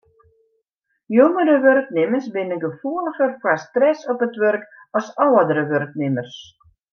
Jongere wurknimmers binne gefoeliger foar stress op it wurk as âldere wurknimmers.